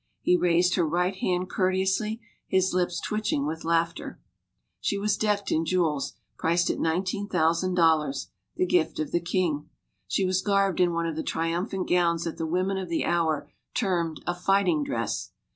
He raised her right hand courteously, his lips twitching with laughter. She was decked in jewels, priced at nineteen thousand dol lars, the gift of the king. She was garbed in one of the tri umphant gowns that the women of the hour termed a "fighting dress."